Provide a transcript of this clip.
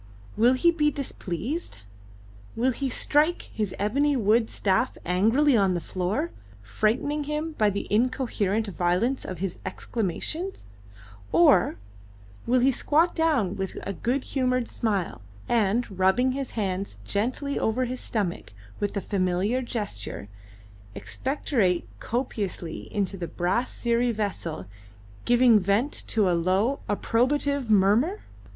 Will he be displeased? Will he strike his ebony wood staff angrily on the floor, frightening him by the incoherent violence of his exclamations; or will he squat down with a good humoured smile, and, rubbing his hands gently over his stomach with a familiar gesture, expectorate copiously into the brass siri vessel, giving vent to a low, approbative murmur?